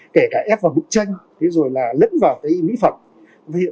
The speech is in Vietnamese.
kể cả ép vào bụng chanh lẫn vào cái mỹ phẩm